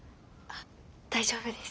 大丈夫です。